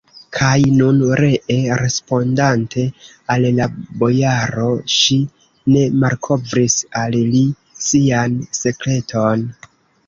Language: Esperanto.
Kaj nun ree, respondante al la bojaro, ŝi ne malkovris al li sian sekreton.